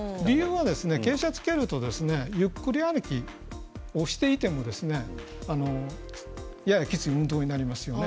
傾斜をつけるとゆっくり歩きをしていてもややきつい運動になりますよね。